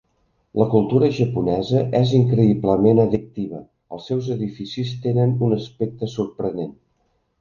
La cultura japonesa és increïblement addictiva, els seus edificis tenen un aspecte sorprenent.